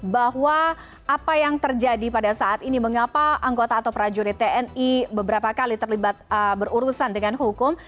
bahwa apa yang terjadi pada saat ini mengapa anggota atau prajurit tni beberapa kali terlibat berurusan dengan hukum